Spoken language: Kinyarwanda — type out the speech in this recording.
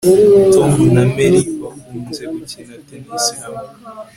Tom na Mary bakunze gukina tennis hamwe